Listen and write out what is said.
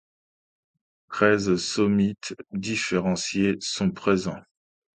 Treize somites différenciés sont présents.